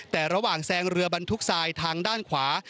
แต่ระหว่างแซงเรือบรรทุกทรายทางด้านขวา